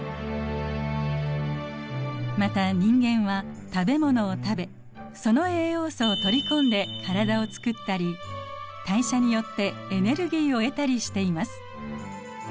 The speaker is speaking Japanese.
また人間は食べ物を食べその栄養素を取り込んで体をつくったり代謝によってエネルギーを得たりしています。